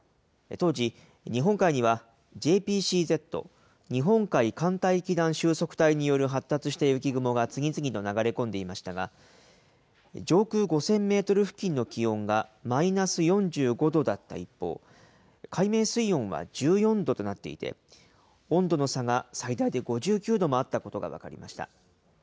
当時、日本海にはＪＰＣＺ・日本海寒帯気団収束帯による発達した雪雲が次々と流れ込んでいましたが、上空５０００メートル付近の気温がマイナス４５度だった一方、海面水温は１４度となっていて、温度の差が最大で５９度もあったことが分かりました。